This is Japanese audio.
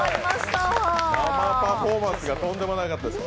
生パフォーマンスがとんでもなかったです。